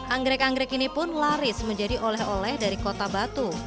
anggrek anggrek ini pun laris menjadi oleh oleh dari kota batu